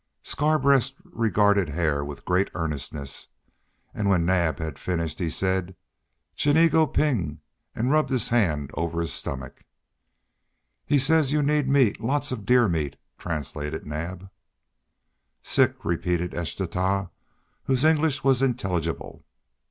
Scarbreast regarded Hare with great earnestness, and when Naab had finished he said: "Chineago ping!" and rubbed his hand over his stomach. "He says you need meat lots of deer meat," translated Naab. "Sick," repeated Eschtah, whose English was intelligible.